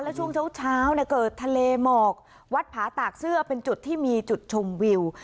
แล้วช่วงเช้าเนี่ยเกิดทะเลหมอกวัดผาตากเสื้อเป็นจุดที่มีจุดชมวิว